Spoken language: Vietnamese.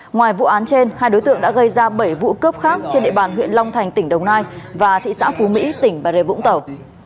ngoài vụ án trên hai đối tượng đã gây ra bảy vụ cướp khác trên địa bàn huyện long thành tỉnh đồng nai và thị xã phú mỹ tỉnh bà rê vũng tàu